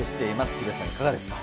ヒデさん、いかがですか。